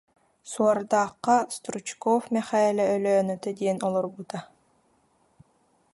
Суордаахха Стручков Мэхээлэ Өлөөнөтө диэн олорбута